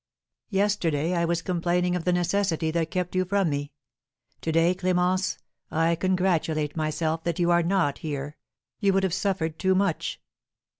Yesterday I was complaining of the necessity that kept you from me; to day, Clémence, I congratulate myself that you are not here, you would have suffered too much.